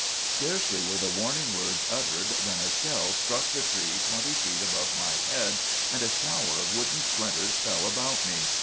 Scarcely were the warning words uttered than a shell struck the tree twenty feet above my head and a shower of wooden splinters fell about me.